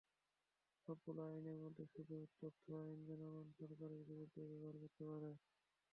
সবগুলো আইনের মধ্যে শুধু তথ্য আইন জনগণ সরকারের বিরুদ্ধে ব্যবহার করতে পারে।